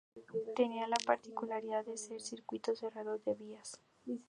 Tenía la particularidad de ser un circuito cerrado de vías.